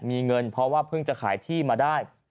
มีเงินเพราะว่าเพิ่งจะขายที่มาได้